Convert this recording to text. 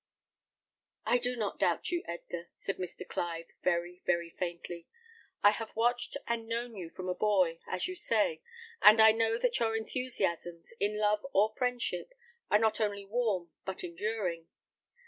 "I do not doubt you, Edgar," said Mr. Clive, very, very faintly. "I have watched and known you from a boy, as you say, and I know that your enthusiasms, in love or friendship, are not only warm, but enduring.